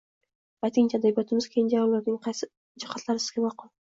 Ayting-chi, adabiyotimiz kenja avlodining qaysi jihatlari sizga ma’qul?